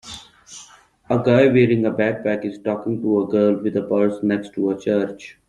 A guy wearing a backpack is talking to a girl with a purse next to a church.